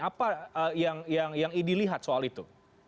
apa yang idi lihat soal itu